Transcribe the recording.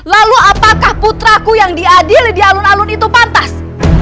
lalu apakah putraku yang diadili di alun alun itu pantas